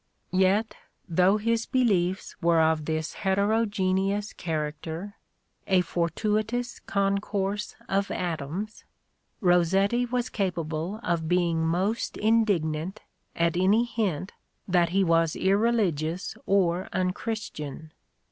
Yet, — though his beliefs were of this heterogeneous character, a for tuitous concourse of atoms, "— Rossetti was capable of being most indignant at any hint that he was irreligious or unchristian.